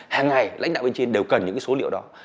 hàng ngày lãnh đạo bên trên đều cần những cái số liệu đó